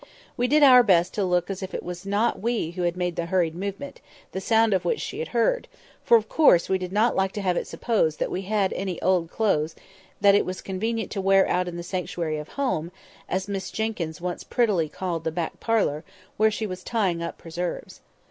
We did our best to look as if it was not we who had made the hurried movement, the sound of which she had heard; for, of course, we did not like to have it supposed that we had any old clothes that it was convenient to wear out in the "sanctuary of home," as Miss Jenkyns once prettily called the back parlour, where she was tying up preserves.